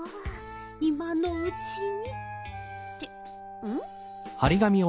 いまのうちにってん？